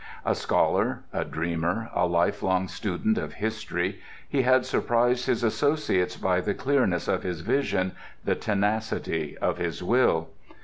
A scholar, a dreamer, a lifelong student of history, he had surprised his associates by the clearness of his vision, the tenacity of his will.